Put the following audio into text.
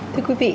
thưa quý vị